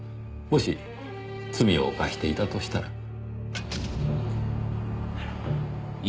もし罪を犯していたとしたら。